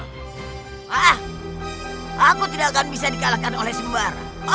maaf aku tidak akan bisa dikalahkan oleh sembara